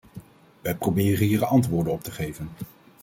Wij proberen hier antwoorden op te geven.